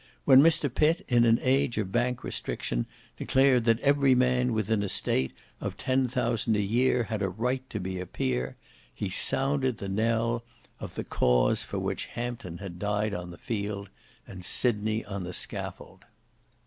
When Mr Pitt in an age of bank restriction declared that every man with an estate of ten thousand a year had a right to be a peer, he sounded the knell of "the cause for which Hampden had died on the field, and Sydney on the scaffold."